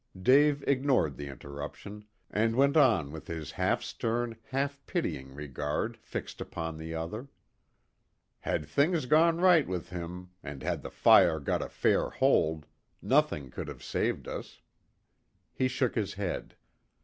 Dave ignored the interruption, and went on with his half stern, half pitying regard fixed upon the other. "Had things gone right with him, and had the fire got a fair hold, nothing could have saved us." He shook his head.